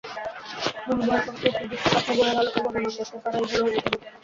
মূল বইয়ের সংশ্লিষ্ট দিকটি পাঠ্যবইয়ের আলোকে বর্ণনা করতে পারাই হলো অনুধাবন।